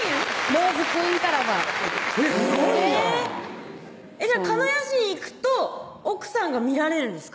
ローズクイーンからすごいやんじゃあ鹿屋市に行くと奥さんが見られるんですか？